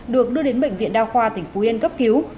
được đưa đến bệnh viện đa khoa tỉnh phú yên cấp cứu